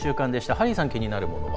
ハリーさん、気になるものは？